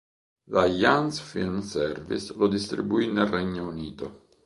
La Jans Film Service lo distribuì nel Regno Unito.